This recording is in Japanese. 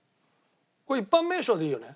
これ一般名称でいいよね？